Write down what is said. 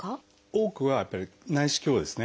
多くはやっぱり内視鏡ですね。